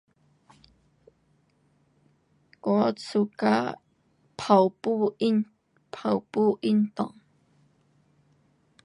[我喜欢跑步跑步运动]